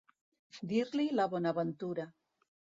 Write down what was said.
Dir-li la bonaventura.